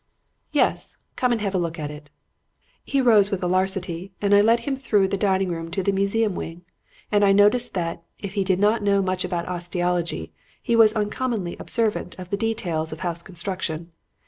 "'Yes. Come and have a look at it.' "He rose with alacrity and I led him through the dining room to the museum wing, and I noticed that, if he did not know much about osteology, he was uncommonly observant of the details of house construction.